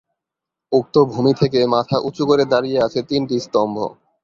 উক্ত ভূমি থেকে মাথা উঁচু করে দাঁড়িয়ে আছে তিনটি স্তম্ভ।